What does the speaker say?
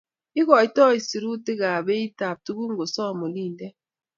Igoitoi sirutikab beitab tuguk ngosom olindet